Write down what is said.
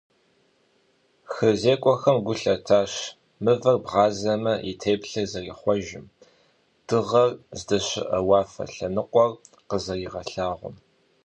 ХырызекӀуэхэм гу лъатащ, мывэр бгъазэмэ и теплъэр зэрихъуэжым, дыгъэр здэщыӀэ уафэ лъэныкъуэр къызэригъэлъагъуэм.